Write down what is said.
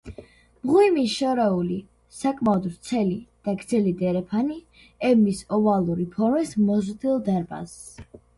მღვიმის შორეული, საკმაოდ ვრცელი და გრძელი დერეფანი ებმის ოვალური ფორმის მოზრდილ დარბაზს.